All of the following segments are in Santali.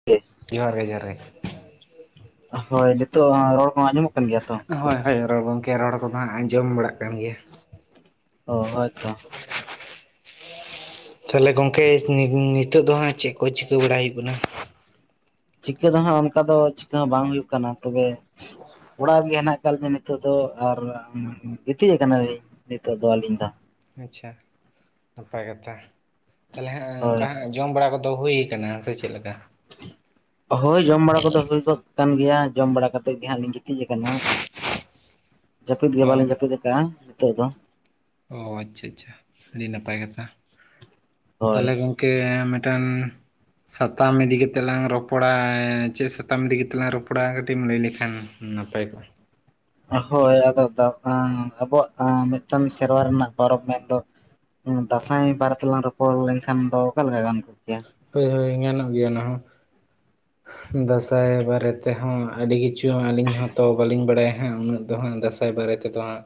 [inaudible] [unintelligible] ᱡᱚᱦᱟᱨ ᱜᱮ, ᱡᱚᱦᱟᱨ ᱜᱮ, ᱦᱳᱭ ᱱᱤᱛᱳᱜ ᱨᱚᱲ ᱠᱚᱦᱚᱸ ᱟᱸᱡᱚᱢᱚᱜ ᱠᱟᱱ ᱜᱮᱭᱟ ᱛᱚ? ᱦᱳᱭ, ᱦᱳᱭ, ᱜᱚᱢᱠᱮ ᱨᱚᱲ ᱠᱚᱫᱚ ᱦᱟᱸᱜ, ᱟᱸᱡᱚᱢ ᱵᱟᱲᱟᱜ ᱠᱟᱱ ᱜᱮᱭᱟ᱾ ᱚ, ᱦᱳᱭᱛᱚ, ᱛᱟᱦᱚᱞᱮ ᱜᱚᱝᱠᱮ ᱱᱤᱛᱚᱜ ᱫᱚ ᱦᱟᱸᱜ ᱪᱮᱫ ᱠᱚ ᱪᱤᱠᱟᱹ ᱵᱟᱲᱟᱟᱭ ᱦᱩᱭᱩᱜ ᱠᱟᱱᱟ? ᱪᱤᱠᱟᱹ ᱫᱚ ᱦᱟᱸᱜ ᱚᱱᱠᱟ ᱫᱚ ᱪᱤᱠᱟᱹ ᱦᱚᱸ ᱵᱟᱝ ᱦᱩᱭᱩᱜ ᱠᱟᱱᱟ ᱛᱚᱵᱮ ᱚᱲᱟᱜ ᱨᱮᱜᱮ ᱦᱮᱱᱟᱜ ᱟᱠᱟᱫ ᱞᱤᱧᱟ ᱱᱤᱛᱚᱜ ᱫᱚ ᱟᱨ ᱜᱤᱛᱤᱡ ᱟᱠᱟᱱᱟ ᱞᱤᱧ ᱱᱮᱛᱳᱜ ᱫᱚ ᱟᱹᱞᱤᱧ ᱫᱚ ᱟᱪᱪᱷᱟ ᱱᱟᱯᱟᱭ ᱠᱟᱛᱷᱟ ᱛᱟᱦᱞᱮ ᱦᱟᱸᱜ ᱦᱳᱭ ᱱᱚᱝᱠᱟ ᱦᱟᱸᱜ ᱡᱚᱢ ᱵᱟᱲᱟ ᱠᱚᱫᱚ ᱦᱩᱭ ᱟᱠᱟᱱᱟ ᱥᱮ ᱪᱮᱫ ᱞᱮᱠᱟ ᱦᱳᱭ ᱡᱚᱢ ᱵᱟᱲᱟ ᱠᱚᱫᱚ ᱦᱩᱭ ᱜᱚᱫ ᱟᱠᱟᱱ ᱜᱮᱭᱟ ᱡᱚᱢ ᱵᱟᱲᱟ ᱠᱟᱛᱮᱫ ᱜᱮ ᱦᱟᱸᱜ ᱞᱤᱧ ᱜᱤᱛᱤᱡ ᱟᱠᱟᱱᱟ ᱡᱟᱹᱯᱤᱫ ᱜᱮ ᱦᱮᱸ ᱵᱟᱞᱤᱧ ᱡᱟᱹᱯᱤᱫ ᱠᱟᱜᱼᱟ ᱱᱤᱛᱳᱜ ᱫᱚ ᱚ ᱟᱪᱪᱷᱟ ᱟᱪᱪᱷᱟ ᱟᱹᱰᱤ ᱱᱟᱯᱟᱭ ᱠᱟᱛᱷᱟ ᱦᱳᱭ ᱛᱟᱦᱚᱞᱮ ᱜᱚᱝ ᱠᱮ ᱢᱤᱫᱴᱮᱱ ᱥᱟᱛᱟᱢ ᱤᱫᱤ ᱠᱟᱛᱮ ᱞᱟᱝ ᱨᱚᱯᱚᱲᱟ ᱪᱮᱫ ᱥᱟᱛᱟᱢ ᱤᱫᱤ ᱠᱟᱛᱮ ᱞᱟᱝ ᱨᱚᱯᱚᱲᱟ ᱠᱟᱹᱴᱤᱡ ᱮᱢ ᱞᱟᱹᱭ ᱞᱮᱠᱷᱟᱱ ᱱᱟᱯᱟᱭ ᱠᱚᱜᱼᱟ ᱦᱳᱭ ᱟᱫᱚ ᱟᱵᱚᱣᱟᱜ ᱢᱤᱫᱴᱟᱝ ᱥᱮᱨᱣᱟ ᱨᱮᱱᱟᱜ ᱯᱚᱨᱚᱵᱽ ᱢᱮᱱ ᱫᱚ ᱫᱟᱸᱥᱟᱭ ᱵᱟᱨᱮ ᱛᱮᱞᱟᱝ ᱨᱚᱯᱚᱲ ᱞᱮᱱᱠᱷᱟᱱ ᱫᱚ ᱚᱠᱟ ᱞᱮᱠᱟ ᱜᱟᱱ ᱠᱚᱜ ᱠᱮᱭᱟ ᱦᱳᱭ ᱦᱳᱭ ᱜᱟᱱᱚᱜ ᱜᱮᱭᱟ ᱚᱱᱟ ᱦᱚᱸ ᱫᱟᱸᱥᱟᱭ ᱵᱟᱨᱮ ᱛᱮᱦᱚᱸ ᱟᱹᱰᱤ ᱠᱤᱪ ᱷᱩ ᱟᱹᱞᱤᱧ ᱦᱚᱸ ᱛᱚ ᱵᱟᱹᱞᱤᱧ ᱵᱟᱲᱟᱭᱟ ᱦᱟᱸᱜ ᱩᱱᱟᱹᱜ ᱫᱚ ᱦᱟᱸᱜ ᱫᱟᱸᱥᱟᱭ ᱵᱟᱨᱮ ᱛᱮᱫᱚ ᱦᱟᱸᱜ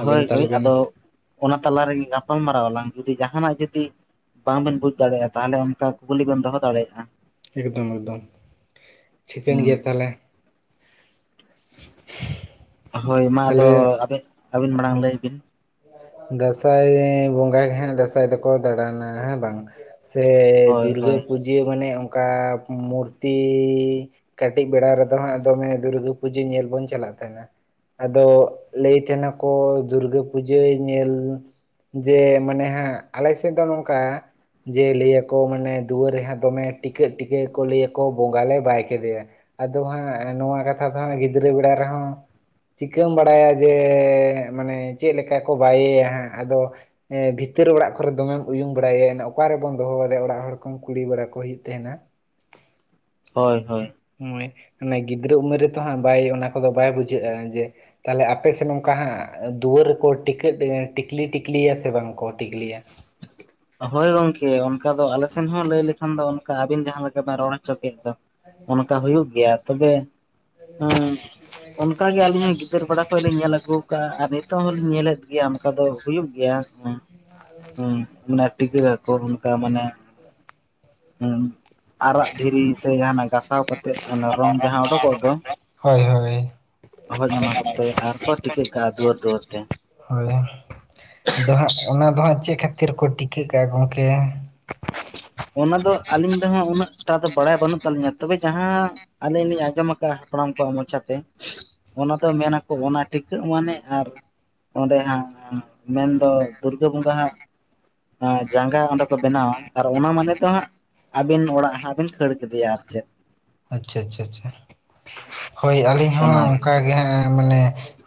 ᱟᱵᱮᱱ ᱦᱳᱭ ᱛᱟᱦᱚᱞᱮ ᱵᱮᱱ ᱟᱫᱚ ᱚᱱᱟ ᱛᱟᱞᱟ ᱨᱮᱜᱮ ᱜᱟᱯᱟᱞ ᱢᱟᱨᱟᱨᱟᱣ ᱟᱞᱟᱝ ᱡᱩᱫᱤ ᱡᱟᱦᱟᱱᱟᱜ ᱡᱩᱫᱤ ᱵᱟᱝ ᱵᱮᱱ ᱵᱩᱡᱽ ᱫᱟᱲᱮᱭᱟᱜᱼᱟ ᱛᱟᱦᱞᱮ ᱚᱱᱠᱟ ᱠᱩᱠᱞᱤ ᱵᱮᱱ ᱫᱚᱦᱚ ᱫᱟᱲᱮᱭᱟᱜᱼᱟ ᱮᱠᱫᱚᱢ ᱮᱠᱫᱚᱢ ᱴᱷᱤᱠᱟᱹᱱ ᱜᱮᱭᱟ ᱛᱟᱦᱞᱮ ᱦᱳᱭ ᱢᱟ ᱟᱫᱚ ᱛᱟᱦᱚᱞᱮ ᱟᱹᱵᱤᱱ ᱟᱹᱵᱤᱱ ᱢᱟᱲᱟᱝ ᱦᱳᱭ ᱞᱟᱹᱭ ᱵᱤᱱ ᱫᱟᱸᱥᱟᱭ ᱵᱚᱸᱜᱟ ᱜᱮ ᱦᱟᱸᱜ ᱫᱟᱸᱥᱟᱭ ᱫᱚᱠᱚ ᱫᱟᱬᱟᱱᱟ ᱦᱮᱸ ᱵᱟᱝ ᱥᱮ ᱦᱳᱭ ᱫᱩᱨᱜᱟᱹ ᱦᱳᱭ ᱯᱩᱡᱟᱹ ᱢᱟᱱᱮ ᱚᱱᱠᱟ ᱢᱩᱨᱛᱤ ᱠᱟᱹᱴᱤᱡ ᱵᱮᱲᱟ ᱨᱮᱫᱚ ᱦᱟᱸᱜ ᱫᱚᱢᱮ ᱫᱩᱨᱜᱟᱹ ᱯᱩᱡᱟᱹ ᱧᱮᱞ ᱵᱚᱱ ᱪᱟᱞᱟᱜ ᱛᱟᱦᱮᱱᱟ ᱟᱫᱚ ᱞᱟᱹᱭ ᱛᱟᱦᱮᱱ ᱟᱠᱚ ᱫᱩᱨᱜᱟᱹ ᱯᱩᱡᱟᱹ ᱧᱮᱞ ᱡᱮ ᱢᱟᱱᱮ ᱦᱟᱸᱜ ᱟᱞᱮ ᱥᱮᱫ ᱫᱚ ᱱᱚᱝᱠᱟ ᱡᱮ ᱞᱟᱹᱭ ᱟᱠᱚ ᱢᱟᱱᱮ ᱫᱩᱣᱟᱹᱨ ᱨᱮ ᱦᱟᱸᱜ ᱫᱚᱢᱮ ᱴᱤᱠᱟᱹᱜ ᱴᱤᱠᱟᱹᱜ ᱟᱠᱚ ᱞᱟᱹᱭ ᱟᱠᱚ ᱵᱚᱸᱜᱟ ᱞᱮ ᱵᱟᱭ ᱠᱮᱫᱮᱭᱟ ᱟᱫᱚ ᱦᱟᱸᱜ ᱱᱚᱣᱟ ᱠᱟᱛᱷᱟ ᱫᱚ ᱦᱟᱸᱜ ᱜᱤᱫᱽᱨᱟᱹ ᱵᱮᱲᱟ ᱨᱮᱦᱚᱸ ᱪᱤᱠᱟᱹᱢ ᱵᱟᱲᱟᱭᱟ ᱡᱮ ᱢᱟᱱᱮ ᱪᱮᱫ ᱞᱮᱠᱟ ᱠᱚ ᱵᱟᱭᱮᱭᱟ ᱦᱟᱸᱜ ᱟᱫᱚ ᱵᱷᱤᱛᱟᱹᱨ ᱚᱲᱟᱜ ᱠᱚᱨᱮ ᱫᱚᱢᱮᱢ ᱩᱭᱩᱝ ᱵᱟᱲᱟᱭᱟ ᱚᱠᱟᱨ ᱨᱮᱵᱚᱱ ᱫᱚᱦᱚ ᱠᱮᱫᱮᱭᱟ ᱚᱲᱟᱜ ᱦᱚᱲ ᱠᱚ ᱠᱩᱞᱤ ᱵᱟᱲᱟ ᱠᱚ ᱦᱩᱭᱩᱜ ᱛᱟᱦᱮᱱᱟ ᱦᱳᱭ ᱦᱳᱭ ᱦᱳᱭ ᱢᱟᱱᱮ ᱜᱤᱫᱽᱨᱟᱹ ᱩᱢᱮᱨ ᱨᱮᱛᱚ ᱦᱟᱸᱜ ᱵᱟᱭ ᱚᱱᱟ ᱠᱚᱫᱚ ᱵᱟᱭ ᱵᱩᱡᱷᱟᱹᱜᱼᱟ ᱡᱮ ᱛᱟᱦᱞᱮ ᱟᱯᱮ ᱥᱮᱫ ᱚᱱᱠᱟ ᱦᱟᱸᱜ ᱫᱩᱣᱟᱹᱨ ᱨᱮᱠᱚ ᱴᱤᱠᱟᱹᱜ ᱴᱤᱠᱞᱤ ᱴᱤᱠᱞᱤᱭᱟ ᱥᱮ ᱵᱟᱝᱠᱚ ᱴᱤᱠᱞᱤᱭᱟ ᱦᱳᱭ ᱜᱚᱝᱠᱮ ᱚᱱᱠᱟ ᱫᱚ ᱟᱞᱮ ᱥᱮᱱ ᱦᱚᱸ ᱞᱟᱹᱭ ᱞᱮᱠᱷᱟᱱ ᱫᱚ ᱚᱱᱠᱟ ᱟᱵᱤᱱ ᱡᱟᱦᱟᱸ ᱞᱮᱠᱟ ᱵᱤᱱ ᱨᱚᱲ ᱦᱚᱪᱚᱠᱮᱜ ᱫᱚ ᱚᱱᱠᱟ ᱦᱩᱭᱩᱜ ᱜᱮᱭᱟ ᱛᱚᱵᱮ ᱦᱩᱸ ᱚᱱᱠᱟ ᱜᱮ ᱟᱹᱞᱤᱧ ᱦᱚᱸ ᱜᱤᱫᱟᱹᱨ ᱵᱮᱲᱟ ᱠᱷᱚᱡ ᱞᱤᱧ ᱧᱮᱞ ᱟᱹᱜᱩ ᱟᱠᱟᱜᱼᱟ ᱟᱨ ᱱᱤᱛᱚᱜ ᱦᱚᱞᱤᱧ ᱧᱮᱞᱮᱫ ᱜᱮᱭᱟ ᱚᱱᱠᱟ ᱫᱚ ᱦᱩᱭᱩᱜ ᱜᱮᱭᱟ ᱦᱩᱸ ᱢᱟᱱᱮ ᱴᱤᱠᱟᱹᱠ ᱟᱠᱚ ᱚᱱᱠᱟ ᱢᱟᱱᱮ ᱦᱩᱸ ᱟᱨᱟᱜ ᱫᱷᱤᱨᱤ ᱥᱮ ᱡᱟᱦᱱᱟᱜ ᱜᱟᱥᱟᱣ ᱠᱟᱛᱮᱜ ᱨᱚᱝ ᱡᱟᱦᱟᱸ ᱳᱰᱳᱠᱚᱜ ᱫᱚ ᱦᱳᱭ ᱦᱳᱭ ᱦᱳᱭ ᱚᱱᱟ ᱠᱚᱛᱮ ᱟᱨ ᱠᱚ ᱴᱤᱠᱟᱹᱜ ᱠᱟᱜᱼᱟ ᱫᱩᱣᱟᱹᱨ ᱫᱩᱣᱟᱹᱨ ᱛᱮ ᱛᱟᱦᱚᱞᱮ ᱟᱫᱚ ᱦᱟᱸᱜ ᱚᱱᱟ ᱫᱚ ᱦᱟᱸᱜ ᱪᱮᱫ ᱠᱷᱟᱹᱛᱤᱨ ᱠᱚ ᱴᱤᱠᱟᱹᱜ ᱠᱟᱜᱼᱟ ᱜᱚᱝᱠᱮ ᱚᱱᱟ ᱫᱚ ᱟᱹᱞᱤᱧ ᱫᱚ ᱦᱟᱸᱜ ᱩᱱᱟᱹᱜ ᱴᱟ ᱫᱚ ᱵᱟᱲᱟᱭ ᱵᱟᱹᱱᱩᱜ ᱛᱟᱹᱞᱤᱧᱟ ᱛᱚᱵᱮ ᱡᱟᱦᱟᱸ ᱟᱹᱞᱤᱧ ᱞᱤᱧ ᱟᱸᱡᱚᱢ ᱠᱟᱜᱼᱟ ᱦᱟᱯᱲᱟᱢ ᱠᱚᱣᱟᱜ ᱢᱚᱪᱟ ᱛᱮ ᱚᱱᱟ ᱫᱚ ᱢᱮᱱᱟᱠᱚ ᱚᱱᱟ ᱴᱤᱠᱟᱹᱜ ᱢᱟᱱᱮ ᱟᱨ ᱚᱸᱰᱮ ᱦᱟᱸᱜ ᱢᱮᱱᱫᱚ ᱫᱩᱨᱜᱟᱹ ᱵᱚᱸᱜᱟ ᱦᱟᱸᱜ ᱡᱟᱸᱜᱟ ᱚᱸᱰᱮ ᱠᱚ ᱵᱮᱱᱟᱣᱟ ᱚᱱᱟ ᱢᱟᱱᱮ ᱛᱚ ᱦᱟᱸᱜ ᱟᱹᱵᱤᱱ ᱚᱲᱟᱜ ᱦᱟᱸᱜ ᱵᱤᱱ ᱠᱷᱟᱹᱲ ᱠᱮᱫᱮᱭᱟ ᱟᱨ ᱪᱮᱫ ᱟᱪᱪᱷᱟ ᱟᱪᱪᱷᱟ ᱟᱪᱪᱷᱟ ᱦᱳᱭ ᱟᱹᱞᱤᱧ ᱦᱚᱸ ᱚᱱᱟᱜᱮ ᱚᱱᱠᱟ ᱜᱮ ᱦᱮᱸ ᱢᱟᱱᱮ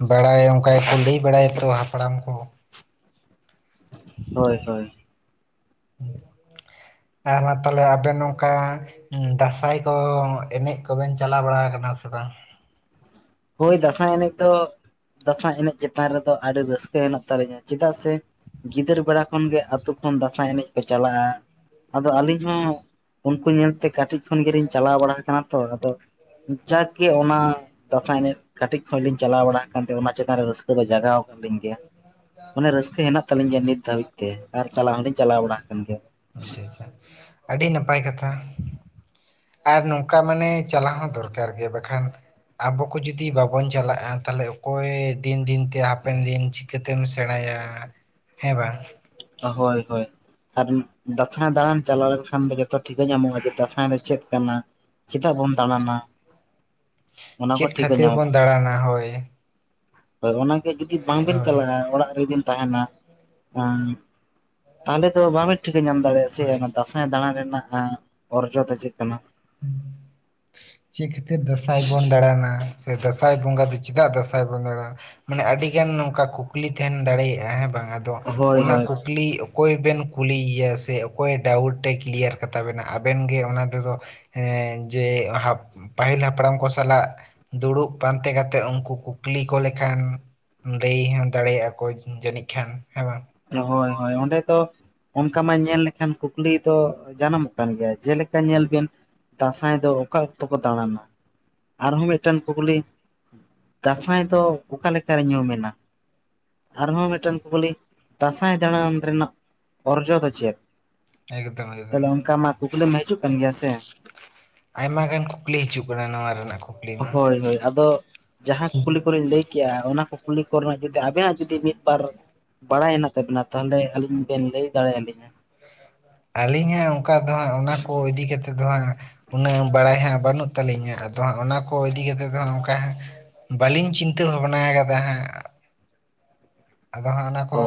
ᱵᱟᱲᱟᱭ ᱚᱱᱠᱟ ᱜᱮᱠᱚ ᱞᱟᱹᱭ ᱵᱟᱲᱟᱭᱟᱛᱚ ᱦᱟᱯᱲᱟᱢ ᱠᱚ ᱦᱳᱭ ᱦᱳᱭ ᱟᱨ ᱚᱱᱟ ᱛᱟᱦᱞᱮ ᱟᱵᱮᱱ ᱱᱚᱝᱠᱟ ᱦᱩᱸ ᱫᱟᱸᱥᱟᱭ ᱠᱚ ᱮᱱᱮᱡ ᱠᱚᱵᱮᱱ ᱪᱟᱞᱟᱣ ᱵᱟᱲᱟ ᱟᱠᱟᱱᱟ ᱥᱮ ᱵᱟᱝ ᱦᱳᱭ ᱫᱟᱸᱥᱟᱭ ᱮᱱᱮᱡ ᱫᱚ, ᱫᱟᱸᱥᱟᱭ ᱮᱱᱮᱡ ᱪᱮᱛᱟᱱ ᱨᱮᱫᱚ ᱟᱹᱰᱤ ᱨᱟᱹᱥᱠᱟᱹ ᱦᱮᱱᱟᱜ ᱛᱟᱹᱞᱤᱧᱟ᱾ ᱪᱮᱫᱟᱜ ᱥᱮ ᱜᱤᱫᱟᱹᱨ ᱵᱮᱲᱟ ᱠᱷᱚᱱ ᱜᱮ ᱟᱛᱳ ᱠᱷᱚᱱ ᱫᱟᱸᱥᱟᱭ ᱮᱱᱮᱡ ᱠᱚ ᱪᱟᱞᱟᱜᱼᱟ᱾ ᱟᱫᱚ ᱟᱹᱞᱤᱧ ᱦᱚᱸ ᱩᱱᱠᱩ ᱧᱮᱞᱛᱮ ᱠᱟᱹᱴᱤᱡ ᱠᱷᱚᱱ ᱜᱮᱞᱤᱧ ᱪᱟᱞᱟᱣ ᱵᱟᱲᱟ ᱠᱟᱱᱟ ᱛᱚ, ᱟᱫᱚ ᱡᱟᱜ ᱜᱮ ᱚᱱᱟ ᱫᱟᱸᱥᱟᱭ ᱮᱱᱮᱡ ᱠᱟᱹᱴᱤᱡ ᱠᱷᱚᱡ ᱞᱤᱧ ᱪᱟᱞᱟᱣ ᱵᱟᱲᱟ ᱠᱟᱱ ᱛᱮ, ᱚᱱᱟ ᱪᱮᱛᱟᱱ ᱨᱮ ᱨᱟᱹᱥᱠᱟᱹ ᱫᱚ ᱡᱟᱜᱟᱣ ᱠᱟᱫ ᱞᱤᱧ ᱜᱮᱭᱟ᱾ ᱢᱟᱱᱮ ᱨᱟᱹᱥᱠᱟᱹ ᱦᱮᱱᱟᱜ ᱛᱟᱹᱞᱤᱧ ᱜᱮᱭᱟ ᱱᱤᱛ ᱫᱷᱟᱹᱵᱤᱡ ᱛᱮ ᱟᱨ ᱪᱟᱞᱟᱣ ᱦᱚᱸᱞᱤᱧ ᱪᱟᱞᱟᱣ ᱵᱟᱲᱟ ᱠᱟᱱ ᱜᱮᱭᱟ᱾ ᱟᱪᱪᱷᱟ ᱟᱪᱪᱷᱟ, ᱟᱹᱰᱤ ᱱᱟᱯᱟᱭ ᱠᱟᱛᱷᱟ᱾ ᱟᱨ ᱱᱚᱝᱠᱟ ᱢᱟᱱᱮ ᱪᱟᱞᱟᱣ ᱦᱚᱸ ᱫᱚᱨᱠᱟᱨ ᱜᱮ ᱵᱟᱠᱷᱟᱱ ᱟᱵᱚ ᱠᱚ ᱡᱩᱫᱤ ᱵᱟᱵᱚᱱ ᱪᱟᱞᱟᱜᱼᱟ, ᱛᱟᱦᱞᱮ ᱚᱠᱚᱭ ᱫᱤᱱ- ᱫᱤᱱ ᱛᱮ ᱦᱟᱯᱮᱱ ᱫᱤᱱ ᱪᱤᱠᱟᱹᱛᱮᱢ ᱥᱮᱬᱟᱭᱟ, ᱦᱮᱸ ᱵᱟᱝ? ᱦᱳᱭ ᱦᱳᱭ᱾ ᱟᱨ ᱫᱟᱸᱥᱟᱭ ᱫᱟᱬᱟᱱ ᱪᱟᱞᱟᱣ ᱞᱮᱱᱠᱷᱟᱱ ᱫᱚ ᱡᱚᱛᱚ ᱴᱷᱤᱠᱟᱹ ᱧᱟᱢᱚᱜᱼᱟ ᱡᱮ ᱫᱟᱸᱥᱟᱭ ᱫᱚ ᱪᱮᱫ ᱠᱟᱱᱟ? ᱪᱮᱫᱟᱜ ᱵᱚᱱ ᱫᱟᱬᱟᱱᱟ? ᱚᱱᱟ ᱠᱚ ᱪᱮᱫ ᱴᱷᱤᱠᱟᱹ ᱠᱷᱟᱹᱛᱤᱨ ᱧᱟᱢᱚᱜᱼᱟ ᱵᱚᱱ ᱫᱟᱬᱟᱱᱟ? ᱦᱳᱭ! ᱦᱳᱭ ᱚᱱᱟᱜᱮ ᱡᱩᱫᱤ ᱵᱟᱝᱵᱮᱱ ᱦᱳᱭ ᱪᱟᱞᱟᱜᱼᱟ, ᱚᱲᱟᱜ ᱨᱮᱵᱤᱱ ᱛᱟᱦᱮᱱᱟ ᱛᱟᱦᱚᱞᱮ ᱫᱚ ᱵᱟ ᱵᱤᱱ ᱴᱷᱤᱠᱟᱹ ᱧᱟᱢ ᱫᱟᱲᱮᱭᱟᱜᱼᱟ ᱦᱳᱭ ᱥᱮ ᱫᱟᱸᱥᱟᱭ ᱫᱟᱬᱟᱱ ᱨᱮᱱᱟᱜ ᱚᱨᱡᱚ ᱫᱚ ᱪᱮᱫ ᱠᱟᱱᱟ? [inaudible] ᱪᱮᱫ ᱠᱷᱟᱹᱛᱤᱨ ᱫᱟᱸᱥᱟᱭ ᱵᱚᱱ ᱫᱟᱬᱟᱱᱟ ᱥᱮ ᱫᱟᱸᱥᱟᱭ ᱵᱚᱸᱜᱟ ᱫᱚ ᱪᱮᱫᱟᱜ ᱫᱟᱸᱥᱟᱭ ᱵᱚᱱ ᱫᱟᱬᱟᱱᱟ? ᱢᱟᱱᱮ ᱟᱹᱰᱤᱜᱟᱱ ᱱᱚᱝᱠᱟ ᱠᱩᱠᱞᱤ ᱛᱟᱦᱮᱱ ᱫᱟᱲᱮᱭᱟᱜᱼᱟ ᱦᱮᱸ ᱵᱟᱝ? ᱟᱫᱚ ᱦᱳᱭ ᱚᱱᱟ ᱦᱳᱭ ᱠᱩᱠᱞᱤ ᱠᱩᱠᱞᱤ ᱚᱠᱚᱭ ᱵᱮᱱ ᱠᱩᱞᱤᱭᱮᱭᱟ ᱥᱮ ᱚᱠᱚᱭ ᱰᱟᱣᱩᱴ ᱮ ᱠᱞᱤᱭᱟᱨ ᱠᱟᱛᱟ ᱵᱮᱱᱟ ᱟᱵᱮᱱ ᱜᱮ ᱚᱱᱟ ᱛᱮᱫᱚ ᱦᱮᱸ ᱡᱮ ᱯᱟᱹᱦᱤᱞ ᱦᱟᱯᱲᱟᱢ ᱠᱚ ᱥᱟᱞᱟᱜ ᱫᱩᱲᱩᱵ ᱯᱟᱱᱛᱮ ᱠᱟᱛᱮᱫ ᱩᱱᱠᱩ ᱠᱩᱠᱞᱤ ᱠᱚ ᱞᱮᱠᱷᱟᱱ ᱞᱟᱹᱭ ᱦᱚᱸ ᱫᱟᱲᱮᱭᱟᱜᱼᱟ ᱠᱚ ᱡᱟᱹᱱᱤᱡ ᱠᱷᱟᱱ ᱦᱮᱸ ᱵᱟᱝ? ᱦᱳᱭ ᱦᱳᱭ ᱚᱸᱰᱮ ᱛᱚ ᱚᱱᱠᱟ ᱢᱟ ᱧᱮᱞ ᱞᱮᱠᱷᱟᱱ ᱠᱩᱠᱞᱤ ᱫᱚ ᱡᱟᱱᱟᱢᱚᱜ ᱠᱟᱱ ᱜᱮᱭᱟ᱾ ᱡᱮᱞᱮᱠᱟ ᱧᱮᱞ ᱵᱮᱱ ᱫᱟᱸᱥᱟᱭ ᱫᱚ ᱚᱠᱟ ᱚᱠᱛᱚ ᱠᱚ ᱫᱟᱬᱟᱱᱟ? ᱟᱨᱦᱚᱸ ᱢᱤᱫᱴᱟᱝ ᱠᱩᱠᱞᱤ ᱫᱟᱸᱥᱟᱭ ᱫᱚ ᱚᱠᱟ ᱞᱮᱠᱟᱨᱮ ᱧᱩᱢᱮᱱᱟ? ᱟᱨᱦᱚᱸ ᱢᱤᱫᱴᱟᱝ ᱠᱩᱠᱞᱤ ᱫᱟᱸᱥᱟᱭ ᱫᱟᱬᱟᱱ ᱨᱮᱱᱟᱜ ᱚᱨᱡᱽ ᱫᱚ ᱪᱮᱫ? ᱮᱠᱫᱚᱢ ᱮᱠᱫᱚᱢ ᱛᱟᱦᱞᱮ ᱚᱱᱠᱟ ᱢᱟ ᱠᱩᱠᱞᱤ ᱢᱟ ᱦᱤᱡᱩᱜ ᱠᱟᱱ ᱜᱮᱭᱟ ᱥᱮ ᱟᱭᱢᱟ ᱜᱟᱱ ᱠᱩᱠᱞᱤ ᱦᱤᱡᱩᱜ ᱠᱟᱱᱟ, ᱱᱚᱣᱟ ᱨᱮᱱᱟᱜ ᱠᱩᱠᱞᱤ [inaudible] ᱦᱳᱭ ᱦᱳᱭ, ᱟᱫᱚ ᱡᱟᱦᱟᱸ ᱠᱩᱠᱞᱤ ᱠᱚᱨᱮᱧ ᱞᱟᱹᱭ ᱠᱮᱜᱼᱟ, ᱚᱱᱟ ᱠᱩᱠᱞᱤ ᱠᱚᱨᱮ ᱱᱟᱜ ᱡᱩᱫᱤ ᱟᱵᱮᱱᱟᱜ ᱡᱩᱫᱤ ᱢᱤᱫ-ᱵᱟᱨ ᱵᱟᱲᱟᱭ ᱦᱮᱱᱟᱜ ᱛᱟᱵᱮᱱᱟ ᱛᱟᱦᱚᱞᱮ ᱟᱹᱞᱤᱧ ᱵᱮᱱ ᱞᱟᱹᱭ ᱫᱟᱲᱮᱭᱟ ᱞᱤᱧᱟ ᱟᱹᱞᱤᱧ ᱦᱟᱸᱜ ᱚᱱᱠᱟ ᱫᱚ ᱦᱟᱸᱜ ᱚᱱᱟ ᱠᱚ ᱤᱫᱤ ᱠᱟᱛᱮᱫ ᱫᱚ ᱦᱟᱸᱜ ᱩᱱᱟᱹᱜ ᱵᱟᱲᱟᱭ ᱦᱟᱸᱜ ᱵᱟᱹᱱᱩᱜ ᱛᱟᱹᱞᱤᱧᱟ᱾ ᱟᱫᱚ ᱦᱟᱸᱜ ᱚᱱᱟ ᱠᱚ ᱤᱫᱤ ᱠᱟᱛᱮᱜ ᱫᱚ ᱦᱟᱸᱜ ᱚᱱᱠᱟ ᱵᱟᱹᱞᱤᱧ ᱪᱤᱱᱛᱟᱹ ᱵᱷᱟᱵᱱᱟ ᱟᱠᱟᱫᱟ ᱦᱟᱜᱸ᱾ ᱟᱫᱚ ᱦᱟᱸᱜ ᱚᱱᱟ ᱠᱚ ᱚ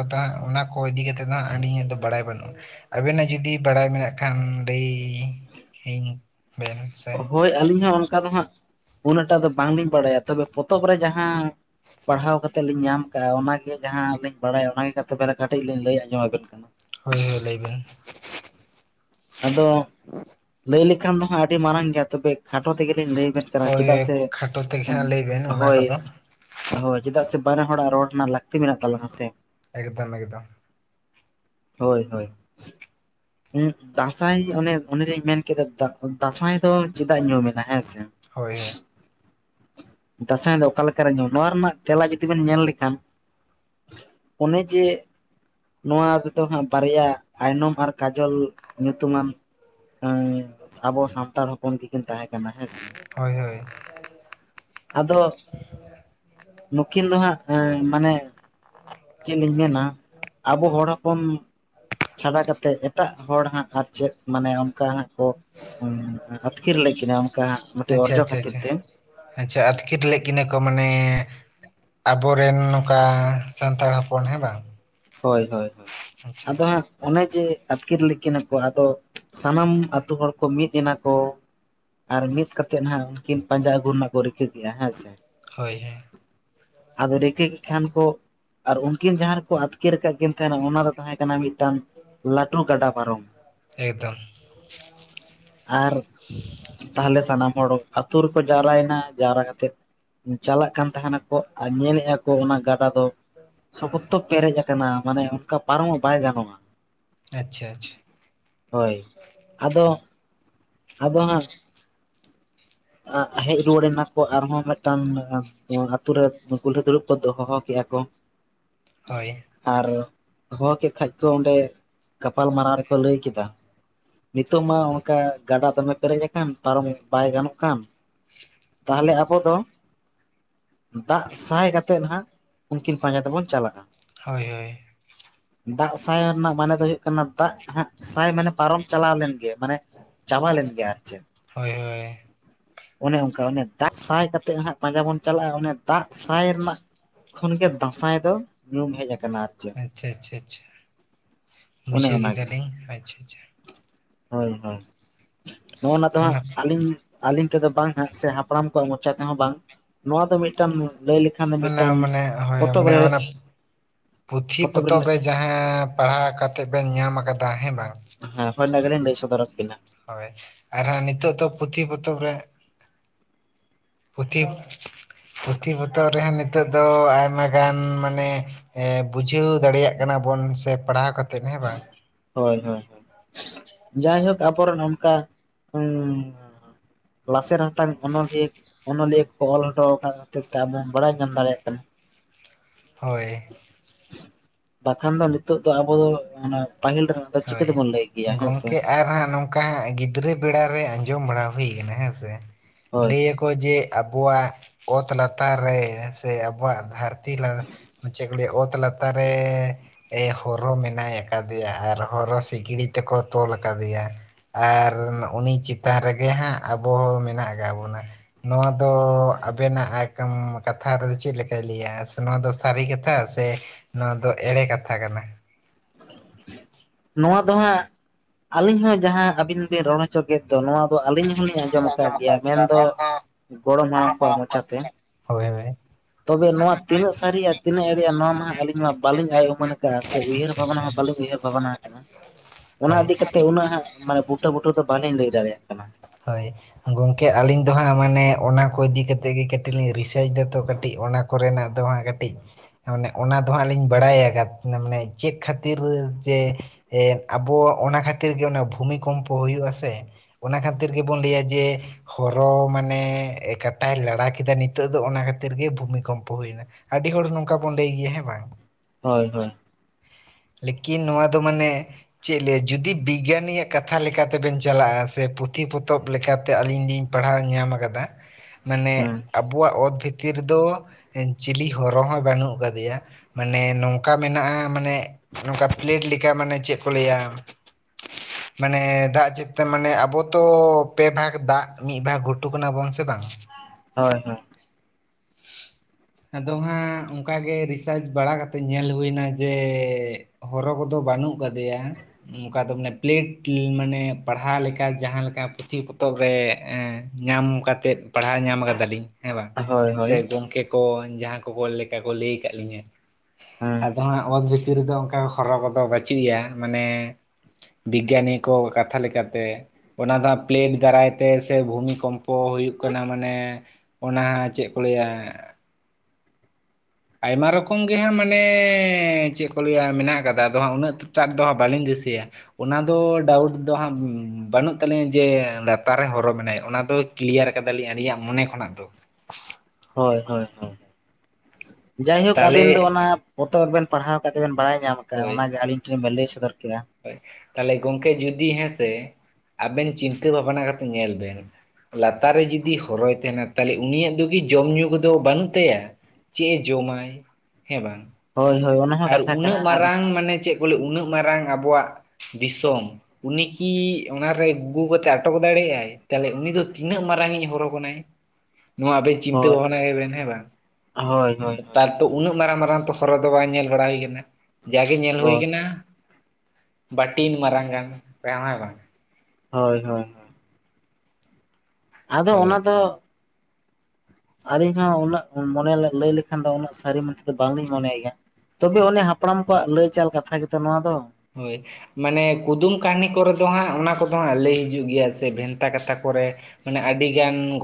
[inaudible] ᱚᱱᱟ ᱠᱚ ᱤᱫᱤ ᱠᱟᱛᱮᱫ ᱫᱚ ᱦᱟᱸᱜ ᱟᱧᱤᱟᱹᱜ ᱫᱚ ᱵᱟᱲᱟᱭ ᱵᱟᱹᱱᱩᱜᱼᱟ᱾ ᱟᱵᱮᱱᱟᱜ ᱡᱩᱫᱤ ᱵᱟᱲᱟᱭ ᱢᱮᱱᱟᱜ ᱠᱷᱟᱱ ᱞᱟᱹᱭᱚᱧ ᱵᱮᱱ ᱥᱮ ᱦᱳᱭ ᱟᱹᱞᱤᱧ ᱦᱚᱸ ᱚᱱᱠᱟ ᱫᱚ ᱦᱟᱸᱜ ᱩᱱᱟᱹᱜ ᱴᱟᱜ ᱫᱚ ᱵᱟᱝ ᱞᱤᱧ ᱵᱟᱲᱟᱭᱟ, ᱛᱚᱵᱮ ᱯᱚᱛᱚᱵ ᱨᱮ ᱡᱟᱦᱟᱸ ᱯᱟᱲᱦᱟᱣ ᱠᱟᱛᱮᱫ ᱞᱤᱧ ᱧᱟᱢ ᱠᱟᱜᱼᱟ ᱚᱱᱟ ᱜᱮ ᱡᱟᱦᱟᱸ ᱞᱤᱧ ᱵᱟᱲᱟᱭᱟ ᱚᱱᱟᱜᱮ [unintelligible] ᱛᱚᱵᱮ ᱫᱚ ᱠᱟᱹᱴᱤᱡ ᱞᱤᱧ ᱞᱟᱹᱭ ᱟᱸᱡᱚᱢ ᱟᱵᱮᱱ ᱠᱟᱱᱟ᱾ ᱦᱳᱭ ᱦᱳᱭ ᱞᱟᱹᱭᱵᱤᱱ ᱟᱫᱚ ᱞᱟᱹᱭ ᱞᱮᱠᱷᱟᱱ ᱫᱚ ᱦᱟᱸᱜ ᱟᱹᱰᱤ ᱢᱟᱨᱟᱝ ᱜᱮᱭᱟ᱾ ᱛᱚᱵᱮ ᱠᱷᱟᱴᱚ ᱛᱮᱜᱮᱞᱤᱧ ᱞᱟᱹᱭ ᱟᱵᱮᱱ ᱠᱟᱱᱟ ᱦᱳᱭ ᱪᱮᱫᱟᱜ ᱦᱳᱭ ᱥᱮ ᱠᱷᱟᱴᱚ ᱛᱮᱜᱮ ᱦᱟᱸᱜ ᱞᱟᱹᱭ ᱵᱮᱱ ᱚᱱᱟ ᱦᱳᱭ ᱠᱚᱫᱚ ᱦᱳᱭ ᱪᱮᱫᱟᱜ ᱥᱮ ᱵᱟᱱᱟ ᱦᱚᱲᱟᱜ ᱨᱚᱲ ᱨᱮᱱᱟᱜ ᱞᱟᱹᱠᱛᱤ ᱢᱮᱱᱟᱜ ᱛᱟᱞᱟᱝᱼᱟ ᱥᱮ ᱮᱠᱫᱚᱢ ᱮᱠᱫᱚᱢ ᱦᱳᱭ ᱦᱳᱭ᱾ ᱩᱸᱜ ᱫᱟᱸᱥᱟᱭ ᱚᱱᱮ ᱚᱱᱮᱞᱤᱧ ᱢᱮᱱ ᱠᱮᱫᱟ, ᱫᱟᱸᱥᱟᱭ ᱫᱚ ᱪᱮᱫᱟᱜ ᱧᱩᱢᱮᱱᱟ ᱦᱮᱸᱥᱮ ᱦᱳᱭ ᱦᱳᱭ᱾ ᱫᱟᱸᱥᱟᱭ ᱫᱚ ᱚᱠᱟ ᱞᱮᱠᱟᱨᱮ ᱧᱚᱜ [unintelligible] ᱱᱚᱣᱟ ᱨᱮᱱᱟᱜ ᱛᱮᱞᱟ ᱡᱩᱫᱤ ᱵᱮᱱ ᱧᱮᱞ ᱞᱮᱠᱷᱟᱱ ᱚᱱᱮ ᱡᱮ ᱱᱚᱣᱟ ᱨᱮᱫᱚ ᱦᱟᱸᱜ ᱵᱟᱨᱭᱟ ᱟᱭᱱᱚᱢ ᱟᱨ ᱠᱟᱡᱚᱞ ᱧᱩᱛᱩᱢᱟᱱ ᱟᱵᱚ ᱥᱟᱱᱛᱟᱲ ᱦᱚᱯᱚᱱ ᱜᱮᱠᱤᱱ ᱛᱟᱦᱮᱸ ᱠᱟᱱᱟ ᱦᱮᱸᱥᱮ ᱦᱳᱭ ᱦᱳᱭ ᱟᱫᱚ ᱱᱩᱠᱤᱱ ᱫᱚ ᱦᱟᱸᱜ ᱢᱟᱱᱮ ᱪᱮᱫ ᱞᱤᱧ ᱢᱮᱱᱟ ᱟᱵᱚ ᱦᱚᱲ ᱦᱚᱯᱚᱱ ᱪᱷᱟᱰᱟ ᱠᱟᱛᱮᱫ ᱮᱴᱟᱜ ᱦᱚᱲ ᱦᱟᱸᱜ ᱟᱨ ᱪᱮᱫ ᱢᱟᱱᱮ ᱚᱱᱠᱟ ᱦᱟᱸᱜ ᱟᱹᱛᱠᱤᱨ ᱞᱮᱫ ᱠᱤᱱᱟ ᱚᱱᱠᱟ ᱢᱤᱴᱤᱡ ᱟᱪᱪᱷᱟ ᱚᱨᱡᱚ ᱟᱪᱪᱷᱟ ᱠᱷᱟᱹᱛᱤᱨ ᱟᱪᱪᱷᱟ ᱛᱮ ᱟᱪᱪᱷᱟ ᱟᱹᱛᱠᱤᱨ ᱞᱮᱫ ᱠᱤᱱᱟᱹ ᱠᱚ ᱢᱟᱱᱮ ᱟᱵᱚᱨᱮᱱ ᱱᱚᱠᱟ ᱥᱟᱱᱛᱟᱲ ᱦᱚᱯᱚᱱ ᱦᱮᱸ ᱵᱟᱝ ᱦᱳᱭ ᱦᱳᱭ ᱦᱳᱭ ᱟᱪᱪᱷᱟ ᱟᱫᱚ ᱦᱟᱸᱜ ᱚᱱᱮ ᱡᱮ ᱟᱹᱛᱠᱤᱨ ᱞᱮᱜ ᱠᱤᱱᱟ ᱠᱚ ᱟᱫᱚ ᱥᱟᱱᱟᱢ ᱟᱛᱳ ᱦᱚᱲ ᱠᱚ ᱢᱤᱫ ᱮᱱᱟ ᱠᱚ ᱟᱨ ᱢᱤᱫ ᱠᱟᱛᱮᱫ ᱦᱟᱸᱜ ᱩᱱᱠᱤᱱ ᱯᱟᱸᱡᱟ ᱟᱹᱜᱩ ᱨᱮᱱᱟᱜ ᱠᱚ ᱨᱤᱠᱟᱹ ᱠᱮ-ᱟ ᱦᱮᱸ ᱥᱮ ᱦᱳᱭ ᱦᱳᱭ ᱟᱫᱚ ᱨᱤᱠᱟᱹ ᱠᱮ ᱠᱷᱟᱱ ᱠᱚ ᱟᱨ ᱩᱱᱠᱤᱱ ᱡᱟᱦᱟᱸ ᱨᱮᱠᱚ ᱟᱛᱠᱤᱨ ᱟᱠᱟᱫ ᱠᱤᱱ ᱛᱟᱦᱮᱱᱟ ᱚᱱᱟ ᱫᱚ ᱛᱟᱦᱮᱸ ᱠᱟᱱᱟ ᱢᱤᱫᱴᱟᱝ ᱞᱟᱹᱴᱩ ᱜᱟᱰᱟ ᱯᱟᱨᱚᱢ ᱮᱠᱫᱚᱢ ᱟᱨ ᱛᱟᱦᱞᱮ ᱥᱟᱱᱟᱢ ᱦᱚᱲ ᱟᱹᱛᱩ ᱨᱮᱠᱚ ᱡᱟᱣᱨᱟ ᱭᱮᱱᱟ ᱡᱟᱣᱨᱟ ᱠᱟᱛᱮᱫ ᱪᱟᱞᱟᱜ ᱠᱟᱱ ᱛᱟᱦᱮᱱᱟ ᱠᱚ ᱟᱨ ᱧᱮᱞᱮ-ᱟ ᱠᱚ ᱚᱱᱟ ᱜᱟᱰᱟ ᱫᱚ [inaudible] ᱥᱚᱠᱚᱛᱚ ᱯᱮᱨᱮᱡ ᱟᱠᱟᱱᱟ ᱢᱟᱱᱮ ᱚᱱᱠᱟ ᱯᱟᱨᱚᱢᱚᱜ ᱵᱟᱭ ᱜᱟᱱᱚᱜᱼᱟ ᱟᱪᱪᱷᱟ ᱟᱪᱪᱷᱟ ᱦᱳᱭ ᱟᱫᱚ ᱟᱫᱚ ᱦᱟᱸᱜ ᱦᱮᱡ ᱨᱩᱣᱟᱹᱲ ᱮᱱᱟ ᱠᱚ ᱟᱨ ᱦᱚᱸ ᱢᱮᱴᱟᱱ ᱱᱚᱣᱟ ᱟᱛᱩ ᱨᱮ ᱠᱩᱞᱦᱤ ᱫᱩᱲᱩᱵ ᱠᱚ ᱫᱚᱦᱚ ᱠᱮᱜ-ᱟ ᱠᱚ ᱦᱳᱭ ᱟᱨ ᱦᱚᱦᱚ ᱠᱮᱫ ᱠᱷᱟᱡ ᱠᱚ ᱚᱸᱰᱮ ᱜᱟᱯᱟᱞ ᱢᱟᱨᱟᱣ ᱨᱮᱠᱚ ᱞᱟᱹᱭ ᱠᱮᱫᱟ ᱱᱤᱛᱚᱜ ᱢᱟ ᱚᱱᱠᱟ ᱜᱟᱰᱟ ᱫᱚᱢᱮ ᱯᱮᱨᱮᱡ ᱟᱠᱟᱱ ᱯᱟᱨᱚᱢ ᱵᱟᱭ ᱜᱟᱱᱚᱜ ᱠᱟᱱ ᱛᱟᱦᱞᱮ ᱟᱵᱚ ᱫᱚ ᱫᱟᱜ ᱥᱟᱭ ᱠᱟᱛᱮᱫ ᱦᱟᱜ ᱩᱱᱠᱤᱱ ᱯᱟᱸᱡᱟ ᱫᱚᱵᱚᱱ ᱪᱟᱞᱟᱜ-ᱟ ᱦᱳᱭ ᱦᱳᱭ ᱫᱟᱜ ᱥᱟᱭ ᱨᱮᱱᱟᱜ ᱢᱟᱱᱮ ᱫᱚ ᱦᱩᱭᱩᱜ ᱠᱟᱱᱟ ᱫᱟᱜ ᱦᱟᱜ ᱥᱟᱭ ᱢᱟᱱᱮ ᱯᱟᱨᱚᱢ ᱪᱟᱞᱟᱣ ᱞᱮᱱ ᱜᱮ ᱢᱟᱱᱮ ᱪᱟᱵᱟ ᱞᱮᱱ ᱜᱮ ᱟᱨ ᱪᱮᱫ ᱦᱳᱭ ᱦᱳᱭ ᱚᱱᱮ ᱚᱝᱠᱟ ᱚᱱᱮ ᱫᱟᱜ ᱥᱟᱭ ᱠᱟᱛᱮᱫ ᱦᱟᱸᱜ ᱯᱟᱸᱡᱟ ᱵᱚᱱ ᱪᱟᱞᱟᱜ-ᱟ ᱚᱱᱮ ᱫᱟᱜ ᱥᱟᱭ ᱨᱮᱱᱟᱜ ᱠᱷᱚᱱ ᱜᱮ ᱫᱟᱸᱥᱟᱭ ᱫᱚ ᱧᱩᱢ ᱦᱮᱡ ᱟᱠᱟᱱᱟ ᱟᱨ ᱠᱤ ᱟᱪᱪᱷᱟ ᱟᱪᱪᱷᱟ ᱟᱪᱪᱷᱟ ᱚᱱᱮ ᱵᱩᱡᱷᱟᱹᱣ ᱠᱮᱫᱟ ᱚᱱᱟᱜᱮ ᱞᱤᱧ ᱟᱪᱪᱷᱟ ᱟᱪᱪᱷᱟ ᱦᱳᱭ ᱦᱳᱭ ᱱᱚᱜ-ᱚ ᱱᱟ ᱫᱚ ᱦᱟᱸᱜ ᱚᱱᱟ ᱟᱞᱤᱧ ᱟᱹᱞᱤᱧ ᱛᱮᱫᱚ ᱵᱟᱝ ᱦᱟᱸᱜ ᱥᱮ ᱦᱟᱯᱲᱟᱢ ᱠᱚᱣᱟᱜ ᱢᱚᱪᱟ ᱛᱮᱦᱚᱸ ᱵᱟᱝ ᱱᱚᱣᱟ ᱫᱚ ᱢᱤᱴᱟᱱ ᱞᱟᱹᱭ ᱞᱮᱠᱷᱟᱱ ᱫᱚ ᱢᱤᱴᱟᱱ ᱚᱱᱟ ᱢᱟᱱᱮ ᱦᱳᱭ ᱯᱚᱛᱚᱵ ᱚᱱᱮ ᱨᱮ ᱚᱱᱟ ᱯᱩᱛᱷᱤ ᱯᱚᱛᱚᱵ ᱨᱮ ᱡᱟᱦᱟᱸ ᱯᱟᱲᱦᱟᱣ ᱠᱟᱛᱮᱫ ᱵᱮᱱ ᱧᱟᱢ ᱟᱠᱟᱫᱟ ᱦᱮᱸ ᱵᱟᱝ ᱦᱮᱸ ᱦᱩᱭ ᱚᱱᱟ ᱜᱤᱹᱞᱤᱧ ᱞᱟᱹᱭ ᱥᱚᱫᱚᱨᱟᱜ ᱵᱤᱱᱟ ᱦᱳᱭ ᱟᱨ ᱦᱟᱸᱜ ᱱᱤᱛᱚᱜ ᱫᱚ ᱯᱩᱛᱷᱤ ᱯᱚᱛᱚᱵ ᱨᱮ ᱯᱩᱛᱷᱤ ᱯᱚᱛᱚᱵ ᱨᱮᱦᱟᱸᱜ ᱱᱤᱛᱚᱜ ᱫᱚ ᱟᱭᱢᱟ ᱜᱟᱱ ᱢᱟᱱᱮ ᱵᱩᱡᱷᱟᱹᱣ ᱫᱟᱲᱮᱭᱟᱜ ᱠᱟᱱᱟ ᱵᱚᱱ ᱥᱮ ᱯᱟᱲᱦᱟᱣ ᱠᱟᱛᱮᱫ ᱦᱮᱸ ᱵᱟᱝ ᱦᱳᱭ ᱦᱳᱭ ᱦᱳᱭ ᱡᱟᱭᱦᱳᱠ ᱟᱵᱚ ᱨᱮᱱ ᱚᱱᱠᱟ ᱞᱟᱥᱮᱨ ᱦᱟᱛᱟᱝ ᱚᱱᱚᱞᱤᱭᱟᱹ ᱚᱱᱚᱞᱤᱭᱟᱹ ᱠᱚ ᱚᱞ ᱦᱚᱴᱚ ᱟᱠᱟᱫ ᱦᱚᱛᱮ ᱛᱮ ᱟᱵᱚ ᱵᱚᱱ ᱵᱟᱲᱟᱭ ᱧᱟᱢ ᱫᱟᱲᱮᱭᱟᱜ ᱠᱟᱱᱟ ᱦᱳᱭ ᱵᱟᱠᱷᱟᱱ ᱫᱚ ᱱᱤᱛᱚᱜ ᱫᱚ ᱟᱵᱚ ᱫᱚ ᱚᱱᱟ ᱯᱟᱹᱦᱤᱞ ᱨᱮ ᱦᱳᱭ ᱜᱚᱝᱠᱮ ᱟᱨ ᱦᱟᱸᱜ ᱱᱚᱝ ᱠᱟ ᱦᱟᱸᱜ ᱜᱤᱫᱽᱨᱟᱹ ᱵᱮᱲᱟ ᱨᱮ ᱟᱸᱡᱚᱢ ᱵᱟᱲᱟ ᱦᱩᱭ ᱟᱠᱟᱱᱟ ᱦᱮᱸ ᱥᱮ ᱦᱳᱭ ᱞᱟᱹᱭ ᱟᱠ ᱠᱚ ᱡᱮ ᱟᱵᱚᱣᱟᱜ ᱚᱛ ᱞᱟᱛᱟᱨ ᱨᱮ ᱥᱮ ᱟᱵᱚᱣᱟᱜ ᱫᱷᱟᱹᱨᱛᱤ ᱞᱟ ᱪᱮᱫ ᱠᱩ ᱞᱟᱹᱭᱟ ᱚᱛ ᱞᱟᱛᱟᱨ ᱨᱮ ᱦᱚᱨᱚᱸ ᱢᱮᱱᱟᱭ ᱟᱠᱟᱫᱮᱭᱟ ᱟᱨ ᱦᱚᱨᱚ ᱥᱤᱠᱲᱤ ᱛᱮᱠᱚ ᱛᱚᱞ ᱟᱠᱟᱫᱮᱭᱟ ᱟᱨ ᱩᱱᱤ ᱪᱮᱛᱟᱱ ᱨᱮᱜᱮ ᱦᱟᱸᱜ ᱟᱵᱚ ᱦᱚᱸ ᱢᱮᱱᱟᱜ ᱠᱟᱜ ᱵᱚᱱᱟ ᱱᱚᱣᱟ ᱫᱚ ᱟᱵᱮᱱᱟᱜ ᱮᱠ ᱠᱟᱛᱷᱟ ᱨᱮᱫᱚ ᱪᱮᱫ ᱞᱮᱠᱟᱭ ᱞᱟᱹᱭᱟ ᱥᱮ ᱱᱚᱣᱟ ᱫᱚ ᱥᱟᱹᱨᱤ ᱠᱟᱛᱷᱟ ᱥᱮ ᱱᱚᱣᱟ ᱫᱚ ᱮᱲᱮ ᱠᱟᱛᱷᱟ ᱠᱟᱱᱟ ᱱᱚᱣᱟ ᱫᱚ ᱦᱟᱸᱜ ᱟᱹᱞᱤᱧ ᱦᱚᱸ ᱡᱟᱦᱟᱸ ᱟᱹᱵᱤᱱ ᱵᱤᱱ ᱨᱚᱲᱚ ᱦᱚᱪᱚ ᱠᱮᱫ ᱫᱚ ᱱᱚᱣᱟ ᱫᱚ ᱟᱹᱞᱤᱧ ᱦᱚᱞᱤᱧ ᱟᱸᱡᱚᱢ ᱟᱠᱟᱫ ᱜᱮᱭᱟ ᱢᱮᱱ ᱫᱚ ᱜᱚᱲᱚᱢ ᱦᱟᱲᱟᱢ ᱠᱚᱣᱟᱜ ᱢᱚᱪᱟ ᱛᱮ [unintelligible] ᱛᱚᱵᱮ ᱱᱚᱣᱟ ᱛᱤᱱᱟᱹᱜ ᱥᱟᱹᱨᱤᱭᱟ ᱛᱤᱱᱟᱹᱜ ᱮᱲᱮᱭᱟ ᱱᱚᱣᱟ ᱢᱟ ᱦᱟᱸᱜ ᱟᱹᱞᱤᱧ ᱢᱟ ᱵᱟᱞᱤᱧ ᱟᱭ ᱩᱢᱟᱹᱱ ᱠᱟᱜ-ᱟ ᱥᱮ ᱩᱭᱦᱟᱹᱨ ᱟᱪᱪᱷᱟ ᱵᱷᱟᱵᱽᱱᱟ ᱟᱪᱪᱷᱟ ᱦᱚᱸ ᱵᱟᱞᱤᱧ ᱩᱭᱦᱟᱹᱨ ᱵᱷᱟᱵᱽᱱᱟ ᱟᱠᱟᱜ-ᱟ ᱚᱱᱟ ᱦᱳᱭ ᱤᱫᱤ ᱠᱟᱛᱮ ᱩᱱᱟᱹᱜ ᱦᱟᱸᱜ ᱢᱟᱱᱮ ᱵᱩᱴᱟᱹ ᱵᱩᱴᱟᱹ ᱫᱚ ᱵᱟᱞᱤᱧ ᱞᱟᱹᱭ ᱫᱟᱲᱮᱭᱟᱜ ᱠᱟᱱᱟ ᱦᱳᱭ ᱜᱚᱢᱠᱮ ᱟᱹᱞᱤᱧ ᱫᱚ ᱦᱟᱸᱜ ᱢᱟᱱᱮ ᱚᱱᱟ ᱠᱚ ᱤᱫᱤ ᱠᱟᱛᱮᱫ ᱜᱮ ᱠᱟᱹᱴᱤᱡ ᱞᱤᱧ ᱨᱤᱥᱟᱨᱪ ᱫᱟ ᱛᱚ ᱠᱟᱹᱴᱤᱡ ᱚᱱᱟ ᱠᱚᱨᱮᱱᱟᱜ ᱫᱚ ᱦᱟᱸᱜ ᱠᱟᱹᱴᱤᱡ ᱢᱟᱱᱮ ᱚᱱᱟ ᱫᱚ ᱦᱟᱸᱜ ᱞᱤᱧ ᱵᱟᱲᱟᱭ ᱟᱠᱟᱫ ᱢᱟᱱᱮ ᱪᱮᱫ ᱠᱷᱟᱹᱛᱤᱨ ᱡᱮ ᱮᱫ ᱟᱵᱚ ᱚᱱᱟ ᱠᱷᱟᱹᱛᱤᱨ ᱜᱮ ᱚᱱᱟ ᱵᱷᱩᱢᱤ ᱠᱚᱢᱯᱚ ᱦᱩᱭᱩᱜ ᱟ ᱥᱮ ᱚᱱᱟ ᱠᱷᱟ ᱛᱤᱨ ᱜᱮ ᱵᱚᱱ ᱞᱟᱹᱭᱟ ᱡᱮ ᱦᱚᱨᱚ ᱢᱟᱱᱮ ᱠᱟᱴᱟᱭ ᱞᱟᱲᱟ ᱠᱮᱫᱟ ᱱᱤᱛᱚᱜ ᱫᱚ ᱚᱱᱟ ᱠᱷᱟᱹᱛᱤᱨ ᱜᱮ ᱵᱷᱩᱢᱤ ᱠᱚᱢᱯᱚ ᱦᱩᱭᱱᱟ ᱟᱹᱰᱤ ᱦᱚᱲ ᱱᱚᱝᱠᱟ ᱵᱚᱱ ᱞᱟᱹᱭ ᱜᱮᱭᱟ ᱦᱮᱸ ᱵᱟᱝ ᱦᱳᱭ ᱦᱳᱭ ᱞᱮᱠᱤᱱ ᱱᱚᱣᱟ ᱫᱚ ᱢᱟᱱᱮ ᱪᱮᱤᱧ ᱟᱹᱭᱟ ᱡᱩᱫᱤ ᱵᱤᱜᱽᱜᱟᱱᱤ ᱭᱟᱜ ᱠᱟᱛᱷᱟ ᱞᱮᱠᱟᱛᱮ ᱵᱮᱱ ᱪᱟᱞᱟᱜᱼᱟ ᱥᱮ ᱯᱩᱛᱷᱤ ᱯᱚᱛᱚᱵ ᱞᱮᱠᱟᱛᱮ ᱟᱞᱤᱧ ᱞᱤᱧ ᱯᱟᱲᱦᱟᱣ ᱧᱟᱢ ᱟᱠᱟᱫᱟ ᱢᱟᱱᱮ ᱦᱮᱸ ᱟᱵᱚᱣᱟᱜ ᱚᱛ ᱵᱷᱤᱛ ᱛᱤᱨ ᱫᱚ ᱪᱤᱞᱤ ᱦᱚᱨᱚ ᱦᱚᱸ ᱵᱟᱹᱱᱩᱜ ᱟᱠᱟᱫᱮᱭᱟ ᱢᱟᱱᱮ ᱱᱚᱝᱠᱟ ᱢᱮᱱᱟᱜᱼᱟ ᱢᱟᱱᱮ ᱱᱚᱝᱠᱟ ᱯᱞᱮᱴ ᱞᱮᱠᱟ ᱢᱟᱱᱮ ᱪᱮᱫ ᱠᱚ ᱞᱟᱹᱭᱟ ᱢᱟᱱᱮ ᱫᱟᱜ ᱪᱮᱫ ᱛᱮ ᱢᱟᱱᱮ ᱟᱵᱚ ᱛᱟ ᱯᱮ ᱵᱷᱟᱜᱽ ᱫᱟᱜ ᱢᱤᱫ ᱵᱷᱟᱜᱽ ᱜᱷᱩᱴᱩ ᱠᱟᱱᱟ ᱵᱚᱱ ᱥᱮ ᱵᱟᱝ ᱦᱳᱭ ᱦᱳᱭ ᱟᱫᱚ ᱦᱟᱸᱜ ᱚᱝᱠᱟᱜᱮ ᱨᱤᱥᱟᱨᱪ ᱵᱟᱲᱟ ᱠᱟᱛᱮᱫ ᱧᱮᱞ ᱦᱩᱭᱱᱟ ᱡᱮ ᱦᱚᱨᱚ ᱠᱚᱫᱚ ᱵᱟᱹᱱᱩᱜ ᱠᱟᱫᱮᱭᱟ ᱚᱝᱠᱟ ᱫᱚ ᱢᱟᱱᱮ ᱯᱞᱮᱴ ᱢᱟᱱᱮ ᱯᱟᱲᱦᱟᱣ ᱞᱮᱠᱟ ᱡᱟᱦᱟᱸ ᱮᱞᱠᱟ ᱯᱩᱛᱷᱤ ᱯᱚᱛᱚᱵ ᱨᱮ ᱧᱟᱢ ᱠᱟᱛᱮᱫ ᱯᱟᱲᱦᱟᱣ ᱧᱟᱢ ᱟᱠᱟᱫᱟᱞᱤᱧ ᱦᱮᱸ ᱵᱟᱝ ᱦᱳᱭ ᱥᱮ ᱦᱳᱭ ᱜᱚᱝᱠᱮ ᱠᱚ ᱡᱟᱦᱟᱸ ᱠᱚ ᱞᱮᱠᱟ ᱠᱚ ᱞᱟᱹᱭ ᱠᱟᱜ ᱞᱤᱧᱟᱹ ᱦᱮᱸ ᱱᱚᱣᱟ ᱚᱛ ᱵᱷᱤᱛᱤᱨ ᱨᱮᱫᱚ ᱚᱝᱠᱟ ᱦᱚᱨᱚ ᱠᱚᱫᱚ ᱵᱟᱹᱪᱩᱜ ᱭᱟ ᱢᱟᱱᱮ ᱵᱤᱜᱽᱜᱟᱱᱤ ᱠᱚ ᱠᱟᱛᱷᱟ ᱞᱮᱠᱟᱛᱮ ᱚᱱᱟ ᱫᱚ ᱦᱟᱸᱜ ᱯᱞᱮᱴ ᱫᱟᱨᱟᱭ ᱛᱮ ᱥᱮ ᱵᱷᱩᱢᱤ ᱠᱢᱯᱚ ᱦᱩᱭᱩᱜ ᱠᱟᱱᱟ ᱢᱟᱱᱮ ᱚᱱᱟ ᱪᱮᱫ ᱠᱚ ᱞᱟᱹᱭᱟ ᱟᱭᱢᱟ ᱨᱚᱠᱚᱢ ᱜᱮ ᱦᱟᱸᱜ ᱢᱟᱱᱮ ᱪᱮᱫ ᱠᱚ ᱞᱟᱹᱭᱟ ᱢᱮᱱᱟᱜ ᱠᱟᱫᱟ ᱟᱫᱚ ᱦᱟᱸᱜ ᱩᱱᱟᱹᱜ ᱴᱟᱜ ᱫᱚ ᱦᱟᱸᱜ ᱵᱟᱹᱞᱤᱧ ᱫᱤᱥᱟᱹᱭᱟ ᱚᱱᱟ ᱫᱚ ᱰᱟᱣᱩᱴ ᱫᱚ ᱦᱟᱸᱜ ᱵᱟᱹᱱᱩᱜ ᱛᱟᱹᱟᱞᱤᱧᱟ ᱡᱮ ᱞᱟᱛᱟᱨ ᱨᱮ ᱦᱚᱨᱚ ᱢᱮᱱᱟᱭ ᱚᱱᱟ ᱫᱚ ᱠᱞᱤᱭᱟᱨ ᱠᱟᱫᱟᱞᱤᱧ ᱟᱹᱞᱤᱧᱟᱜ ᱢᱚᱱᱮ ᱠᱷᱚᱱᱟᱜ ᱫᱚ ᱦᱳᱭ ᱦᱳᱭ ᱦᱳᱭ ᱡᱟᱭᱦᱳᱠ ᱛᱟᱦᱚᱞᱮ ᱟᱵᱮᱱ ᱫᱚ ᱚᱱᱟ ᱯᱚᱛᱚᱵ ᱨᱮ ᱵᱮᱱ ᱯᱟᱲᱦᱟᱣ ᱠᱟᱛᱮ ᱵᱮᱱ ᱵᱟᱲᱟᱭ ᱧᱟᱢ ᱠᱟᱜᱼᱟ ᱦᱳᱭ ᱚᱱᱟᱜᱮ ᱟᱞᱤᱧ ᱴᱷᱮᱱ ᱵᱮᱱ ᱞᱟᱹᱭ ᱥᱚᱫᱚᱨ ᱠᱮᱜᱼᱟ ᱦᱳᱭ ᱛᱟᱦᱚᱞᱮ ᱜᱚᱝᱠᱮ ᱡᱩᱫᱤ ᱦᱮᱸᱥᱮ ᱟᱵᱮᱱ ᱪᱤᱱᱛᱟᱹ ᱵᱷᱟᱵᱽᱱᱟ ᱠᱟᱛᱮᱫ ᱧᱮᱞ ᱵᱮᱱ ᱞᱟᱛᱟᱨ ᱨᱮ ᱡᱩᱫᱤ ᱦᱚᱨᱚᱭ ᱛᱟᱦᱮᱱᱟ ᱛᱟᱦᱚᱞᱮ ᱩᱱᱤᱭᱟᱜ ᱫᱚᱠᱤ ᱡᱚᱢ ᱧᱩ ᱠᱚᱫᱚ ᱵᱟᱹᱱᱩᱜ ᱛᱟᱭᱟ ᱪᱮᱫ ᱮ ᱡᱚᱢᱟᱭ ᱦᱮᱸ ᱵᱟᱝ ᱦᱳᱭ ᱦᱳᱭ ᱚᱱᱟ ᱦᱚᱸ ᱟᱨ ᱠᱟᱛᱷᱟ ᱠᱟᱱᱟ ᱩᱱᱟᱹᱜ ᱟᱨ ᱢᱟᱨᱟᱝ ᱢᱟᱱᱮ ᱪᱮᱫ ᱠᱚ ᱞᱟᱹ ᱩᱱᱟᱹᱜ ᱢᱟᱨᱟᱝ ᱟᱵᱚᱣᱟᱜ ᱫᱤᱥᱚᱢ ᱩᱱᱤ ᱠᱤ ᱚᱱᱟᱨᱮ ᱜᱩᱜᱩ ᱠᱟᱛᱮ ᱟᱴᱚᱠ ᱫᱟᱲᱮ ᱭᱟᱜᱼᱟᱭ ᱛᱟᱦᱞᱮ ᱩᱱᱤ ᱫᱚ ᱛᱤᱱᱟᱹᱜ ᱢᱟᱨᱟᱝᱤᱡ ᱦᱚᱨᱚ ᱠᱟᱱᱟᱭ [inaudible] ᱱᱚᱣᱟ ᱟᱵᱮᱱ ᱪᱤᱱᱛᱟᱹ ᱦᱳᱭ ᱵᱷᱟᱵᱽᱱᱟᱭ ᱵᱮᱱ ᱦᱮᱸ ᱵᱟᱝ, ᱦᱳᱭ ᱦᱳᱭ ᱦᱳᱭ ᱛᱟᱨ ᱛᱚ ᱩᱱᱟᱹᱜ ᱢᱟᱨᱟᱝ ᱢᱟᱨᱟᱝ ᱛᱚ ᱥᱚᱨᱚᱛ ᱫᱚ ᱵᱟᱭ ᱧᱮᱞ ᱵᱟᱲᱟ ᱦᱩᱭ ᱠᱟᱱᱟ, ᱡᱟᱜᱮ ᱧᱮᱞ ᱦᱩᱭ ᱠᱟᱱᱟ᱾ ᱵᱟᱴᱤ ᱤᱱ ᱢᱟᱨᱟᱝ ᱜᱟᱱ ᱦᱮᱸ ᱵᱟᱝ᱾ ᱦᱳᱭ ᱦᱳᱭ ᱟᱫᱚ ᱦᱳᱭ ᱚᱱᱟ ᱫᱚ ᱟᱹᱞᱤᱧ ᱦᱚᱸ ᱩᱱᱟᱹᱜ ᱢᱚᱱᱮ ᱞᱟᱹᱭ ᱞᱮᱠᱷᱟᱱ ᱫᱚ ᱩᱱᱟᱹᱜ ᱥᱟᱹᱨᱤ ᱢᱮᱱᱛᱮ ᱫᱚ ᱵᱟᱝᱞᱤᱧ ᱢᱚᱱᱮᱭ ᱜᱮᱭᱟ᱾ ᱛᱚᱵᱮ ᱚᱱᱮ ᱦᱟᱯᱲᱟᱢ ᱠᱚᱣᱟᱜ ᱞᱟᱹᱭ ᱪᱟᱞ ᱠᱟᱛᱷᱟ ᱜᱮᱛᱚ ᱱᱚᱣᱟ ᱫᱚ᱾ ᱦᱳᱭ ᱢᱟᱱᱮ ᱠᱩᱫᱩᱢ ᱠᱟᱹᱦᱱᱤ ᱠᱚᱨᱮ ᱫᱚ ᱦᱟᱸᱜ ᱚᱱᱟ ᱠᱚᱫᱚ ᱦᱟᱸᱜ ᱞᱟᱹᱭ ᱦᱤᱡᱩᱜ ᱜᱮᱭᱟ ᱥᱮ, ᱵᱷᱮᱱᱛᱟ ᱠᱟᱛᱷᱟ ᱠᱚᱨᱮ᱾ ᱢᱟᱱᱮ ᱟᱹᱰᱤ ᱜᱟᱱ ᱜᱚᱲ